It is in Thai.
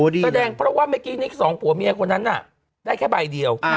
แสดงเพราะว่าเมื่อกี้นิกสองผัวเมียคนนั้นน่ะได้แค่ใบเดียว